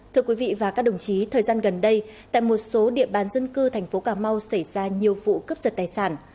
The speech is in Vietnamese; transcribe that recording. thưa quý vị và các đồng chí thời gian gần đây tại một số địa bàn dân cư thành phố cà mau xảy ra nhiều vụ cướp giật tài sản